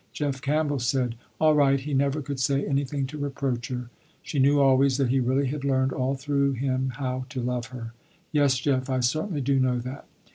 Jeff Campbell said, all right he never could say anything to reproach her. She knew always that he really had learned all through him how to love her. "Yes, Jeff, I certainly do know that."